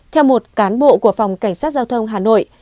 theo một cán bộ của phòng cảnh sát giao thông hà nội